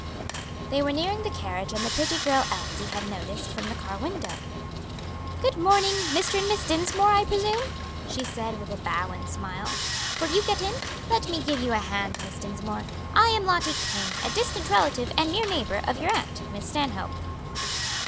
They were nearing the carriage and the pretty girl Elsie had noticed from the car window. "Good morning! Mr. and Miss Dinsmore, I presume?" she said with a bow and smile. "Will you get in? Let me give you a hand, Miss Dinsmore. I am Lottie King, a distant relative and near neighbor of your aunt, Miss Stanhope."